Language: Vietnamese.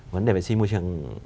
vấn đề vệ sinh môi trường